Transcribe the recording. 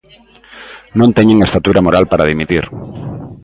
Non teñen estatura moral para dimitir.